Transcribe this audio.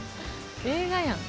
映画やん。